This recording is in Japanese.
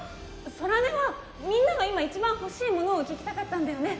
空音はみんなが今一番欲しいものを聞きたかったんだよね？